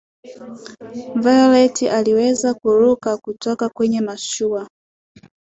violet aliweza kuruka kutoka kwenye mashua